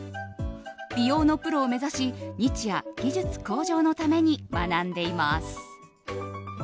美容のプロを目指し日夜、技術向上のために学んでいます。